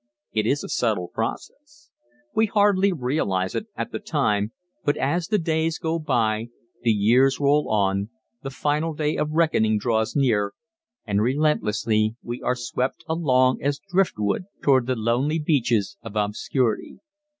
It is a subtle process. We hardly realize it at the time but as the days go by, the years roll on, the final day of reckoning draws near and relentlessly we are swept along as driftwood toward the lonely beaches of obscurity.